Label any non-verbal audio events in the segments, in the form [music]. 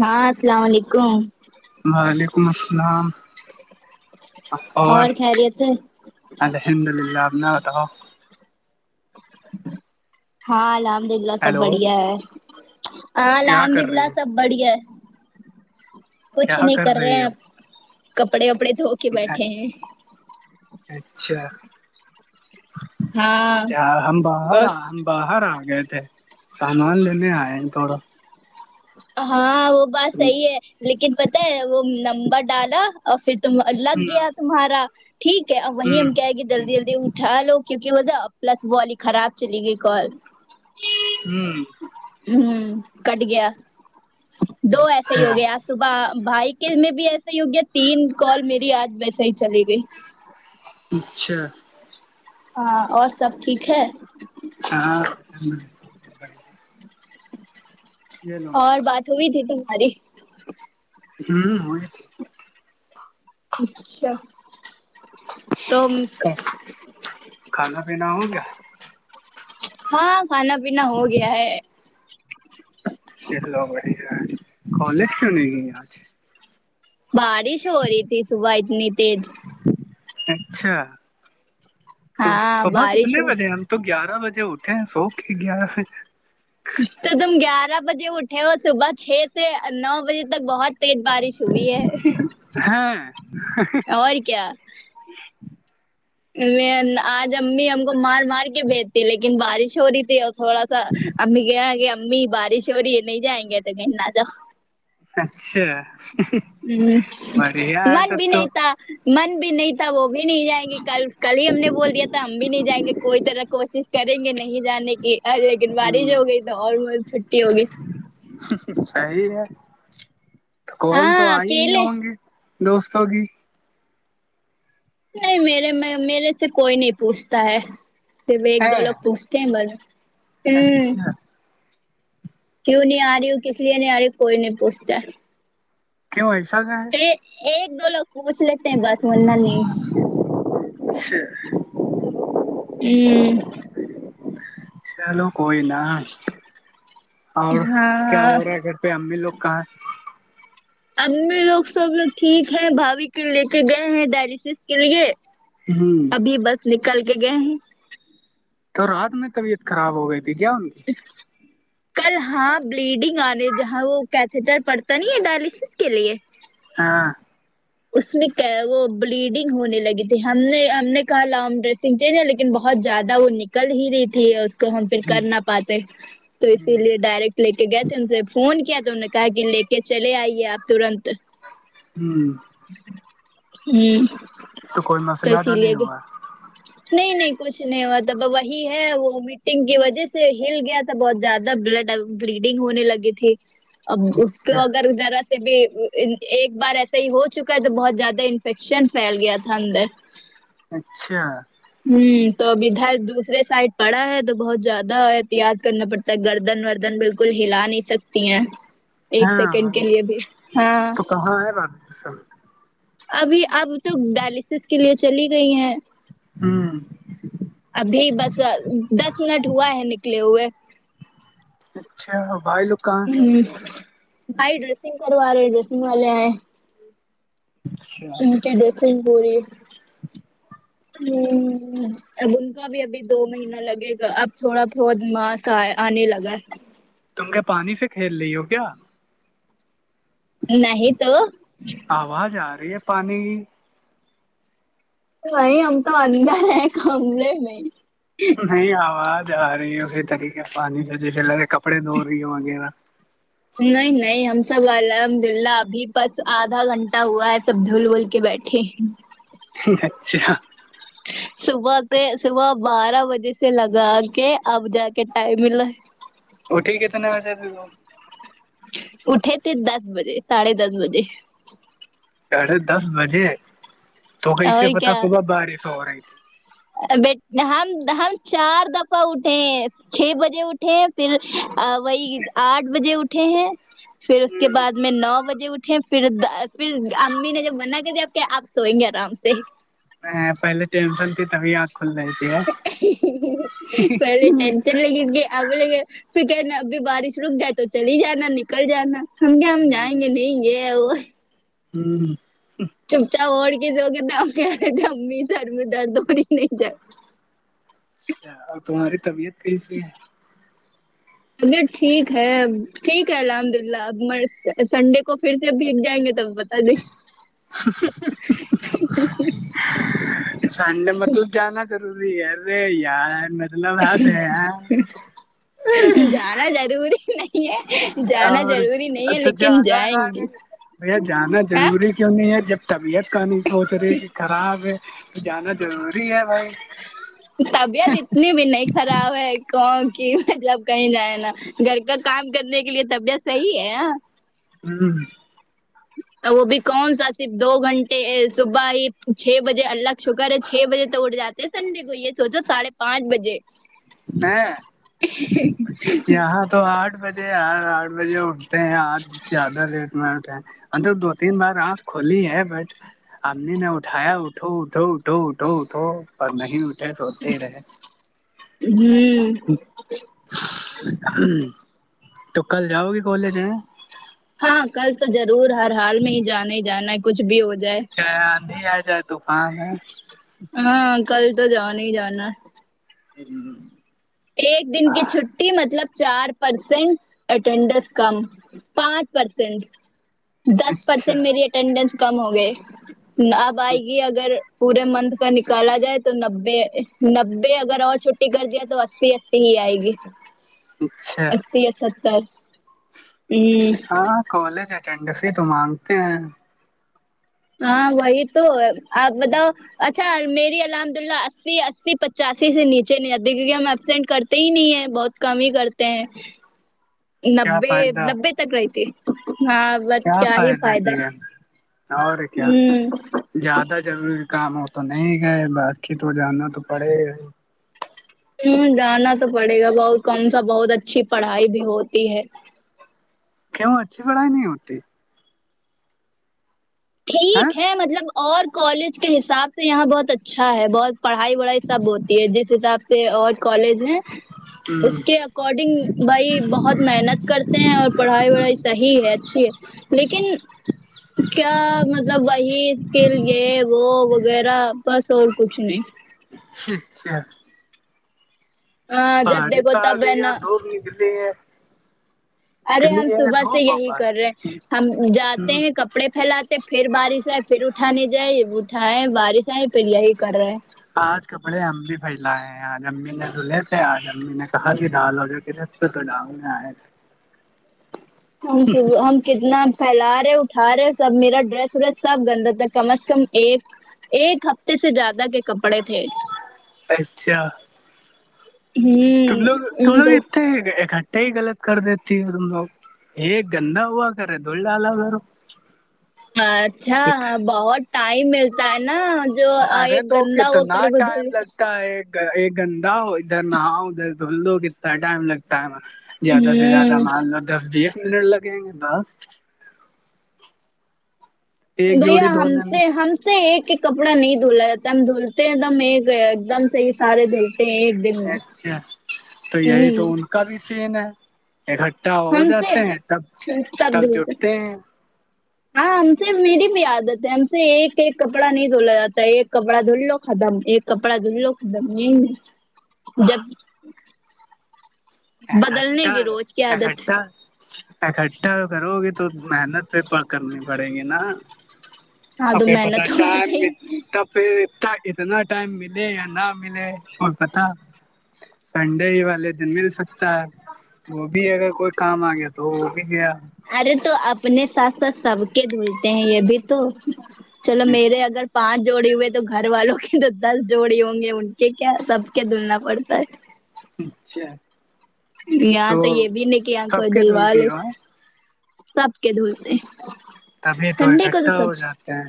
ہاں السلام علیکم وعلیکم السلام اور خیریت ہے الحمد للہ آ اپنا بتاؤ ہاں الحمد للہ سب ہیلو بڑھیا ہے ہاں کیا الحمد کر للہ رہی ہو سب بڑیا کچھ کیا نہیں کر رہے رہی ہیں ہو آپ کپڑے وپڑے دھو کے بیٹھے ہیں اچھا ہاں ہم باہر اور آ ہم باہر آ گئے تھے سامان لینے آئے ہیں تھوڑا ہاں وہ بات صحی ہے لیکن پتہ ہے وہ نمبر ڈالا اور پھر تم لگ گیا تمہارا ٹھیک ہے ا وہیں ہم کیا گے جلدی جلدیٹ ٹھا لو کیونکہ ہو جا پلس والی خراب چلی گئی کال ہوں ہوں کٹ گیا دو ایسے ہی اچھا ہو گئے آج صبح بھائی کے میں بھی ایسے ہی ہوگیا تین کال میری آج سی چل گے اچھا ہاں اور سب ٹھیک ہے [inaudible] یہ لو اور بات ہوئی تھی تمہاری ہوں ہو اچھا تو کھانا پینا ہو کیا ہاں کھانا پینا ہو گیا ہے سلو بڑیا کالج کیوں نہیںج [inaudible] بارش ہو رہی تھی صبح اتنی تیز اچھا تو ہاں صبح بارش کتنے ہو بجے ہم تو گیارہ بجے اٹھے ہیں سو کے گیارہ بے تو تم گیارہ بجے اٹھے ہو صبح چھ سے نو بجے اب تک بہت تیز بارش ہوئی ہے ہاں اور کیا میں آج امی ہم کو مار مار کے بیجتی لیکن بارش ہو رہی تھی تھوڑا سا امی کہ کہ امی بارش اوری یہ نہیں جائیں گے تو کہنا تھاا [inaudible] اچھا ہ بڑھیا ہے من بھی تب تو نہیںتا من بھی نہیں [inaudible] وہ بھی نہیں جائیں گے کل کل ہی ہم نے بول دیا تھا ہم بھی نہیں جائیں گے کوئی طرح کوشش کریں گے نہیں جانے کی لیکن بارش ہ ہو گئی تو اور م چھٹی ہوگی صحیح ہے تو کال تو ہاں آئی ہی اکیلے ہوں گے دوستوں کی نہیں میرے میں میرے سے کوئی نہیں پوچھتا ہے صرف ایک ہے دو لوگ پوچھتے ہیں بس ہوں اچھا کیوں نہیں آ رہی ہ کس لیے نہیں آ رہی کوئی نہیں پوچھتا کیوں ایسا کا ہے ایک دو لوگ پوچھ لیتے ہیں بس مورنا نہیں اچھا [inaudible] [inaudible] چلو کوئی نا اور کیا ہاں ہو رہا ہے گھر پہ امی لوگ کہاں ا میں لوگ سب لوگ ٹھیک ہے بھوی کے لے کے گئے ہیں ڈائلسس کے لیے [inaudible] ابھی بس نکل کے گئے ہیں تو رات میں طبیعت خراب ہو گئی تھی کیا ان کی کل ہاں بلیڈنگ آنے جہاں وہ کیتٹر پڑتا نہیں ہے ڈائلسس کے لیے [unintelligible] ہاں اس میں کیا ہے وہ بلیڈنگ ہونے لگی تھی ہم نے ہم نے کہا لام ڈریسنگ چ لیکن ن بہت زیادہ وہ نکل ہی رہی تھی ہم پھر کر نہ پاتے تو اسی لیے ہ ڈائریکٹ لے کے گئے تھے ان سے فون کیا تھا انوں نے کہا کہ لے کے چلے آئیے آپ ترنت [inaudible] ہوں کوئی تو مسئلہ اسی نہیں لیے بھی ہوا نہیں نہیں کچھ نہیں ہوا تھا وہی ہے وہ میٹنگ کی وجہ سے ہل گیا بہت زیادہ بلڈ بلیڈنگ ہونے لگی تھی اب اس کو اچھا اگر ذرا سے بھی ایک بار ایسا ہی ہو چکا ہے تو بہت زیادہ انفیکشن پھیل گیا تھا اندر اچھا ہوں تو اب ادھر دوسرے سائڈ پڑا ہے تو بہت زیادہ احت یاط کرنا پڑتا تک گردن ردن بالکل ہلا نہیں سکتی ہیں ایک سیکنڈ ہاں کے لیے بھی ہاں تو کہاں ہے بات سر [unintelligible] ابھی اب تو ڈائلسس کے لیے چلی گئی ہیں ہوں ابھی بس دس منٹ ہوا ہے نکلے ہوئے اچھا بھائی لوکاں ہوں بھائی ڈریسنگ کروا رہے ڈریسنگ والے آئے اچھا ان کی ڈسز ب رہی ہے ہ اب ان کا بھی ابھی دو مہینہ لگے گا اب تھوڑا بہت ماس س آنے لگا ہے تم کے پانی سے کھیل رہی ہو کیا نہیں تو آواز آ رہی ہے پانی کی تو وہی ہم تو اندر ہیں کمے میں نہیں آواز آ رہی ہے پھر طریقے پانی سجے پ لگے کپڑے دھ رہی ہو وغیرہ نہیں نہیں ہم سب الحمد اللہ ابھی بس آدھا گھنٹہ ہوا ہے سب دھول بول کے بیٹھے تٹھیک اچھا صبح سے صبح بارہ بجے سے لگا کے اب جا کے ٹائم ملا ٹھیک ہےتنےا وہ اٹے تھ دس بجے ساڑھے دس بجے ساڑھے دس بجے تو اور کیسے پتا کیا صبح بارہ سو ہو رہی بیٹ ہم ہم چار دفعہ اٹھے ہیں چھ بجے اٹھ اھے پھر وہی آٹھ بجے اٹھے ہیں پھر اس کے بعد میں نو بجے اٹھ پھر پھر امی نے جب من کر اب کیا آپ سوئیں گے آرام سے پہلے ٹینشن تھی تبھی آ پہلے ٹین چل ل ا لے پھر کہ ن ابھی بارش رک جائے تو چل ہی جانا نکل جانا ہم کیا ہم جائیں گے نہیںیں گے وہ ہوں چپچاپ اڑ کے جوؤ گ د ہم کہے ت امی سر میں درد ہوڑی نہیں جائے اچھا اور تمہاری طبیعت کیسی ہے اب ٹھیک ہے ٹھیک ہے الحمد للہ اب مر سنڈے کو پھر سے بھیگ جائیں گے تو بتا دیں سڈ مت تو جانا ضروری ہے ارے یار آات ہے گے جانا ضروری نہیں ہے جانا اور ضروری نہیں ہے تو لیکن جیادہ ک جائیں گے نہیں بھیا جانا ہاں ضروری کیوں نہیں ہے جب طبیعت کا نہیں سوچ رہی کہ خراب ہے تو جانا ضروری ہے بھائی ونائک خراب ہے کون کی مطلب کہیں جائے نا گھر کا کام کرنے کے لیے طبیعت صحیح ہے ہوں جٹ تو وہ بھی کون سا صرف دو گھنٹے صبح ہی چھ بجے الگ شکر ہے چھ بجے تو اٹھ جاتا سنڈے کوئی ہے سوچو ساڑھے پانچ بجے یہاں تو آٹھ بجے یار آٹھ بجے اٹھتے ہیں آج زیادہ لیٹ میں اٹھتے ہیں ان تو دو تین بار آنکھ کھلی ہے بٹ امنی نے اٹھایا اٹھو اٹھو اٹھو اٹھو اٹھو پر نہیں اٹھے سوتے ہی رہے جی ہ تو کل جاؤ گی کالج میں ہاں کل تو ضرور ہر حال میں ہی جانا ہی جانا ہے کچھ بھی ہو جائے ا آندھی آ جائے طفان ہے ہاں کل تو جان ہی جانا [unintelligible] ایک دن کی چھٹی مطلب چار پرسینٹ اٹینڈنس کم پانچ پرسنٹ دس اچھا پرسینٹ میری اٹینڈینس کم ہو گئے اب آئے گی اگر پورے منتھ کا نکالا جائے تو نبے نبے اگر اور چھٹی کر دائے تو اتے ہی آئے گی اچھا اسی سسٹر ہاں کالج اٹینڈس ہی تو مانگتے ہیں ہاں وہی تو آپ بتاؤ اچھا میری الحمد اللہ اسی اسی پچاسی سے نیچے نہیں آتے کیونکہ ہم ابسینٹ کرتے ہی نہیں ہے بہت کم ہی کرتے ہیں کیا نبے فائدہ نبے تکرئیتی ہ بس کیا ہی فائدہ اور کیا ہہم زیادہ ضروری کام ہو تو نہیں گئے باقی تو جانا تو پڑے ہہم جانا تو پڑے گا بہت کم سا بہت اچھی پڑھائی بھی ہوتی ہے کیوں اچھی پڑھائی نہیں ہوتی ٹھیک ہے مطلب اور کالج کے حساب سے یہاں بہت اچھا ہے بہت پڑھائی وڑھائی سب ہوتی ہے جس حساب سے اور کالج ہیں اس کے اکارڈنگ بھائی بہت محنت کرتے ہیں اور پڑھائی وڑھائی صحیح ہے اچھی ہے لیکن [unintelligible] کیا مطلب وہی اس کے لیے وہ وغیرہ بس اور کچھ نہیں اچھا ا جب بارش دیکھو آ تب گئی ہے نا یار دوپ نکلی ہے ارے نکلی ہم ہے صبح سے دھوپ ہو یہی بار پر ہے ہم جاتے ہیں کب کپڑے پھیلاتے پھر بارش آئے پھر اٹھا نہیں جائے اٹھائے بارش آئے پھر یہی کر رہے ہیں آج کپڑے ہم بھی پھیلائے ہیں آج امی نے دھلے تھے آج امی نے کہا کہ ڈال ہو جا کے [unintelligible] [unintelligible] کتنا پھیلا رہے اٹھا رہے سب میرا ڈریس وریس سب گندا تھا کم از کم ایک ایک ہفتے سے زیادہ کے کپڑے تھے اچھا تم لوگ تم ہوں لوگ تو اتنے اکٹھے ہی غلط کر دیتی تم لوگ یہ گندا ہوا کرے دول ڈالا گیر اچھا بہت ٹائم ملتا ہے نا جو آ ایک گندا وہ کرے بے ک گندا ہو ادھر نہاؤ ادھر دھل لو کتنا ٹائم لگتا ہے نا زیادہ سے زیادہ ہوں مان ل دس بیس منٹ لگیں گے دس بھیا ہم سے ہم ے ایک ایک کپڑا نہیں دھلا جاتا ہے ہم دھولتے ہیں ایک دم ایک ایک دم صحیح سارے دھل ایک دن میں ہوں کبھی سین ہے اکٹھا ہو ہم سے جاتے ہیں تب سب تب دھلتے جٹتے ہیں ہاں ہم سے میری بھی عادت ہے ہم سے ایک ایک کپڑا نہیں دھولا جاتا ہے ایک کپڑا دھل لو ختم ایک کپڑا دھونی لو دم نہیں جب بدلنے اکٹھا کی روز کیا عادت اکٹھا اکٹھا کرو گے تو محنت کرنی پڑیں گی نا ہاں آ تو پتا محنت تو ٹائم کرتے میں ہی تب پھر ا اتنا ٹائم ملے یا نہ ملے کو پتا سنڈے ہی والے دن بھی ہے وہ بھی اگر کوئی کام آ گیا تو وہ بھی گیا ارے تو اپنے ساتھ ساتھ سب کے دھلتے ہیں یہ بھی تو چلو میرے اچھا اگر پانچ جوڑی ہوئے تو گھر والوں کے تو دس جوڑی ہوں گے ان کے کیا سب کے دھلنا پڑتا ہے اچھا یہاں تو یہ بھی ن کہ یہاں کو سب کے دلوال دھلتی ہے ہو سب کے دھولتے تبھی تو اکٹھا ہو جاتے ہیں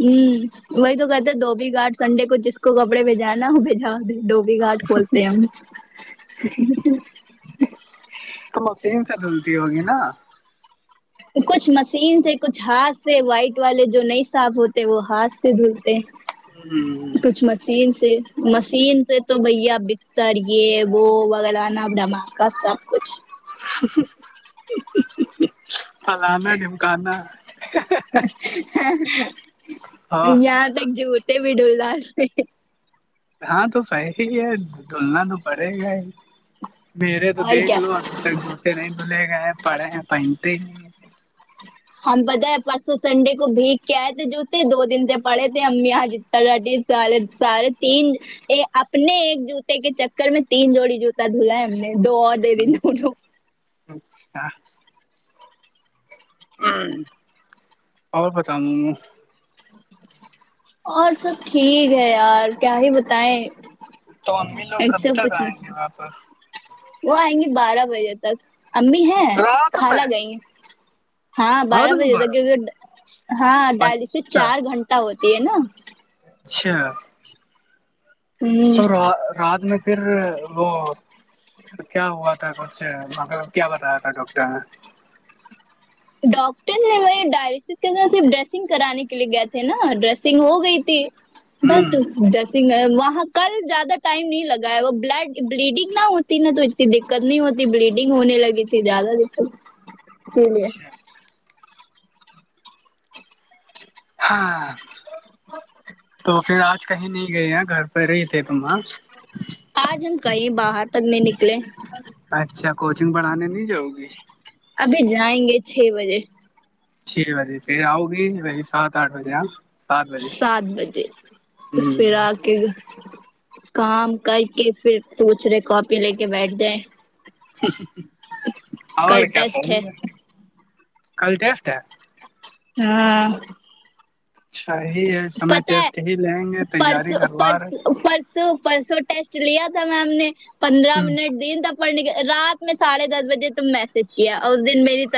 ہوں وہی تو کہتے دبی گارڈ سنڈے کو جس کو کپڑے بھیجانا وہ بجا ڈوبی گھاٹ کھولتے ہیں ہم تو مشین سے دھلتی ہوگی نا کچھ مشین سے کچھ ہاتھ سے وائٹ والے جو نہیں صاف ہوتے وہ ہاتھ سے دھلتے [inaudible] کچھ مشین سے مشین سے تو بھیا بکتر یہ وہ وغلوانا اب ڈم کا سب کچھ [inaudible] پلانا ڈمکانا ہاں یہاں تک جتے بھی ڈولدال سے ہاں تو صحی ہے دھلنا تو پڑے گا ہی میرے تو اور دیکھ کیا لو ابھی تک جوتے نہیں دھلے گئے ہیں پڑے ہیں پہنتے نہیں ہیں ہم پتاہ ہے پرسوں سنڈے کو بھیگ کے آئے تھے جوتے دو دن سے پڑھے تھے امی یہاں سارے سارے تین ا اپنے ایک جوتے کے چکر میں تین جوڑی جوتا دھلا ہے ہم نے دو اور د دن لٹو اچھا اور بتا ہوں اور سب ٹھیک ہے یار کیا ہی بتائیں تو امی لوگ ایک کب سے تک کچھ آئیں گے نہیں واپس وہ آئیں گی بارہ بجے تک امی ہیں رات کالہ میں گئی ہاں رات بارہ میں بجے ہوتا کیونکہ ہاں ڈالی سے اچھا چار گھنٹہ ہوتی ہے نا اچھ ہوں تو رات میں پھر وہ کیا ہوا تھا کچھ مطلب کیا بتایا تھا ڈاکٹر نے ڈاکٹر نے م ڈائلسس صرف ڈریسنگ کرانے کے لیے گئے تھے نا ڈریسنگ ہو گئی تھی ہ بس جس وہاں کل زیادہ ٹائم نہیں لگا ہے وہ بڈ بلیڈنگ نہ ہوتی نا تو دقت نہیں ہوتی بلیڈنگ ہونے لگی تھی زیادہ دقت اسی لیے اچھا ہاں تو پھر آج کہیں نہیں گئے گھر پہ ہی تھے تماں آج ہم کہیں باہر تک نہیں نکلے اچھا کوچنگ پڑھانے نہیں جاؤ گی ابھی جائیں گے چھ بجے چھ بجے پھر آؤ گی وی سات آٹھ بجے آ سات بجے پھر آ کے کام کر کے پھر سوچ رہے کاپی لے کے بیٹھ جائے اور کل کیا ٹیسٹ ہے س کل ٹیسٹ ہے ہاں اچھا ہی پتا ہے لیں گے پرس تیاری کروا پرس پرسوں پرسوں ٹیسٹ لیا تھا میم نے پندرہ رہے منٹ دین ت پڑھنے کے رات میں سڑھے دس بجے تم میسج کیا اس دن میری طر